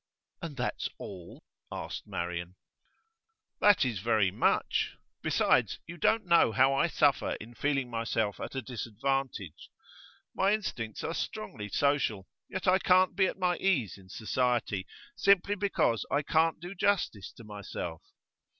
'And that's all?' asked Marian. 'That is very much. Perhaps you don't know how I suffer in feeling myself at a disadvantage. My instincts are strongly social, yet I can't be at my ease in society, simply because I can't do justice to myself.